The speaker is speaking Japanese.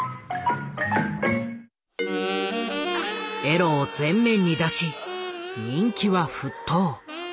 エロを前面に出し人気は沸騰。